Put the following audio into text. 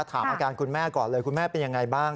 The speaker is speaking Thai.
ถามอาการคุณแม่ก่อนเลยคุณแม่เป็นยังไงบ้าง